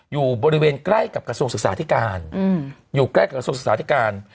อยู่บริเวณใกล้กับกระทรวงศึกษาธิการอยู่ใกล้กระทรวงศึกษาธิการ